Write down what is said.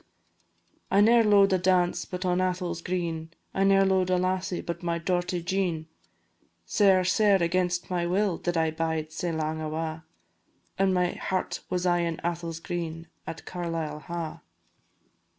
"I ne'er lo'ed a dance but on Atholl's green, I ne'er lo'ed a lassie but my dorty Jean, Sair, sair against my will did I bide sae lang awa', And my heart was aye in Atholl's green at Carlisle Ha'."